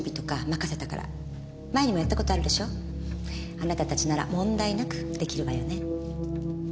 あなたたちなら問題なくできるわよね？